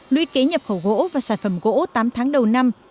luy kế nhập khẩu gỗ và sản phẩm gỗ tám tháng đầu năm